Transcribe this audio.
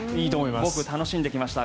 僕、楽しんできました。